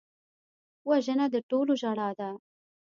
وژنه د ټولو ژړا ده